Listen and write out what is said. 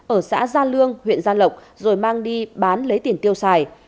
ở xã gia lương huyện gia lộc rồi mang đi bán lấy tiền tiêu xài